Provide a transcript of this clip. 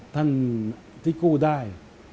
ท่านที่กู้ได้